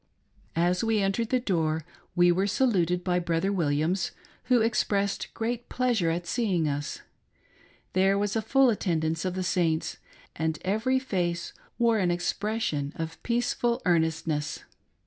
As we entered the door, we were saluted by Brother Williams, who expressed great pleasure at seeing us. There was a full attendance of the Saints, and every face wore an expression of peaceful earnestness.